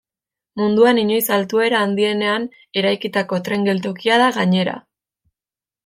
Munduan inoiz altuera handienean eraikitako tren geltokia da gainera.